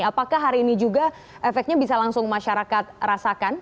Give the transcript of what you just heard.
apakah hari ini juga efeknya bisa langsung masyarakat rasakan